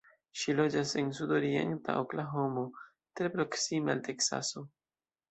Ŝi loĝas en sudorienta Oklahomo, tre proksime al Teksaso.